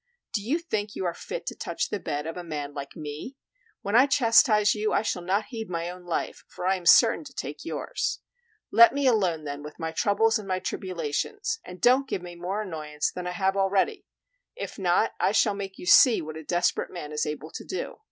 Do you think you are fit to touch the bed of a man like me? When I chastise you I shall not heed my own life, for I am certain to take yours. Let me alone then with my troubles and my tribulations, and don't give me more annoyance than I have already; if not, I shall make you see what a desperate man is able to do."